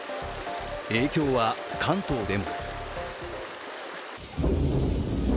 影響は関東でも。